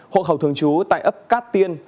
hộ khẩu thường trú tại ấp cát tiên